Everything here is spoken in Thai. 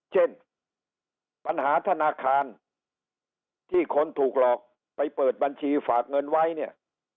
เช่นปัญหาธนาคารที่คนถูกหลอกไปเปิดบัญชีฝากเงินไว้เนี่ย